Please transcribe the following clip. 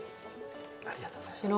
ありがとうございます。